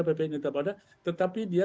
ppn tetap ada tetapi dia